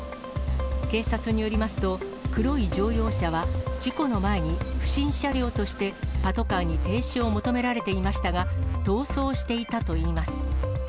警察によりますと、黒い乗用車は事故の前に、不審車両としてパトカーに停止を求められていましたが、逃走していたといいます。